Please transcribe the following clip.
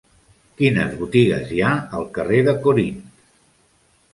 Quines botigues hi ha al carrer de Corint?